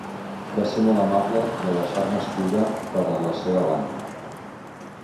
Va ser molt amable de deixar-me escriure per a la seva banda.